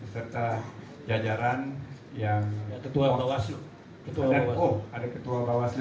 serta jajaran yang ketua bawaslu ketua bawaslu